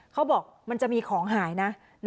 เขาบอกมันจะมีของหายนะ